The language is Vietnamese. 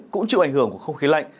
cũng chịu ảnh hưởng của không khí lạnh